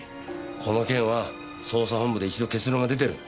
この件は捜査本部で一度結論が出てる。